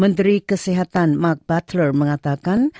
menteri kesehatan mark butler mengatakan